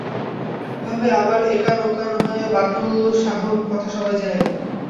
এভাবেই আবার এ-কান ও-কান হয়ে বাটুল শাহর কথা সবাই জেনে গেল।